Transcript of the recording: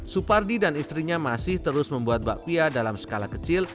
supardi dan istrinya masih terus membuat bakpia dalam skala kecil